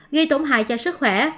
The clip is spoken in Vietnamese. ghi tổn hại cho sức khỏe